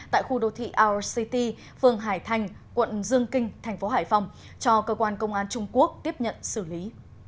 tại khu đô thị our city phường hải thành quận dương kinh thành phố hải phòng cho cơ quan công an trung quốc tiếp nhận xử lý